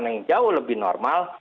yang jauh lebih normal